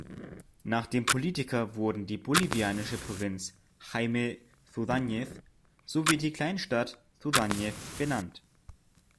Nach dem Politiker wurden die bolivianische Provinz Jaime Zudáñez sowie die Kleinstadt Zudáñez benannt.